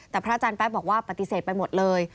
แต่พระอาจารย์แป๊ะบอกว่าปฏิเสธไปหมดเลย